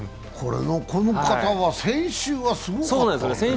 この方は先週はすごかった。